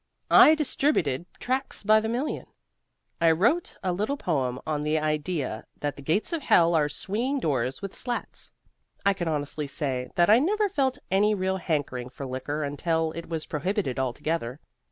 I distributed tracts by the million; I wrote a little poem on the idea that the gates of hell are swinging doors with slats. I can honestly say that I never felt any real hankering for liquor until it was prohibited altogether.